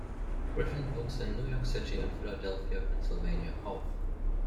Griffin wuchs in New York City und Philadelphia, Pennsylvania, auf.